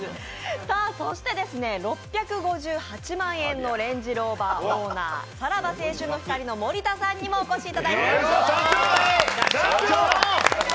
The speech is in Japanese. そして６５８万円のレンジローバーオーナーさらば青春の光社長の森田さんにもお越しいただきました。